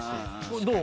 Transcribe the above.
どう？